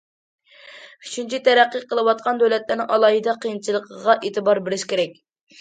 ئۈچىنچى، تەرەققىي قىلىۋاتقان دۆلەتلەرنىڭ ئالاھىدە قىيىنچىلىقىغا ئېتىبار بېرىش كېرەك.